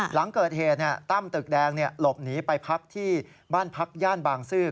หลังเกิดเหตุตั้มตึกแดงหลบหนีไปพักที่บ้านพักย่านบางซื่อ